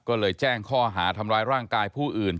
ก็เลยแจ้งข้อหาทำร้ายร่างกายผู้อื่น